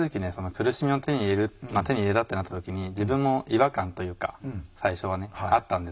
苦しみを手に入れるまあ手に入れたってなった時に自分も違和感というか最初はねあったんですけど。